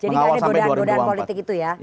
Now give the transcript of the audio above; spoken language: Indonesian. jadi nggak ada godaan godaan politik itu ya